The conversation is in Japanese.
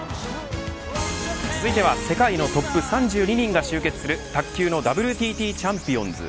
続いては世界のトップ３２人が集結する卓球のＷＴＴチャンピオンズ。